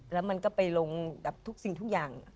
แล้วมันก็ไปลงกับทุกสิ่งทุกอย่าง